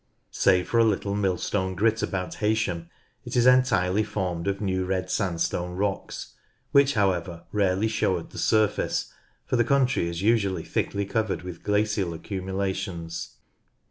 Save for a little Millstone Grit about Heysham it is en tirely formed of New Red Sandstone rocks, which howe\ er rarely show at the surface, for the country is usually thickly covered with glacial accumulations.